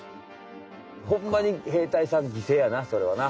ホンマに兵隊さんぎせいやなそれはな。